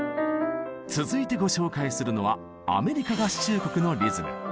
続いてご紹介するのはアメリカ合衆国のリズム。